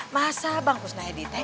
masa bang kusna hedite